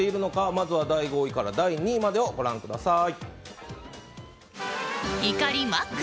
まずは第５位から第２位までをご覧ください。